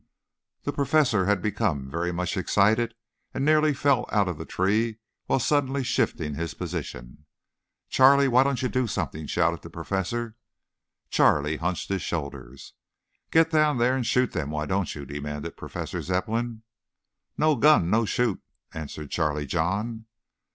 The Professor had become very much excited, and nearly fell out of the tree while suddenly shifting his position. "Charlie, why don't you do something?" shouted the Professor. Charlie hunched his shoulders. "Get down there and shoot them, why don't you?" demanded Professor Zepplin. "No gun, no shoot," answered Charlie John.